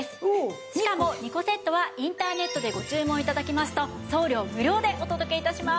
しかも２個セットはインターネットでご注文頂きますと送料無料でお届け致します。